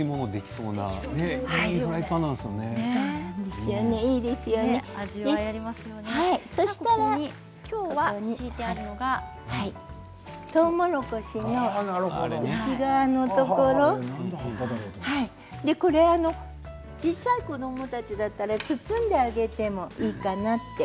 そうしたら、ここにとうもろこしの内側のところ小さい子どもたちだったら包んであげてもいいかなって。